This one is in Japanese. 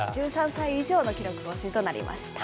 １３歳以上の記録更新となりました。